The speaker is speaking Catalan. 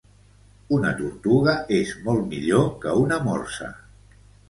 Una tortuga és molt millor que una morsa